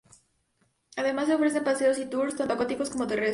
Además, se ofrecen paseos y tours tanto acuáticos como terrestres.